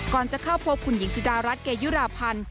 จะเข้าพบคุณหญิงสุดารัฐเกยุราพันธ์